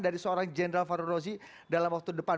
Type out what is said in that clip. dari seorang jenderal farul rozi dalam waktu depan